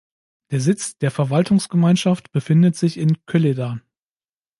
Der Sitz der Verwaltungsgemeinschaft befindet sich in Kölleda.